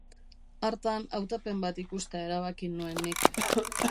Hartan hautapen bat ikustea erabaki nuen nik.